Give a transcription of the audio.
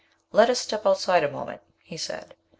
"Let us step outside a moment," he said.